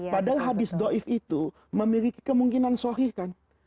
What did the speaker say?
padahal hadis do'if itu memiliki kemungkinan sohih kan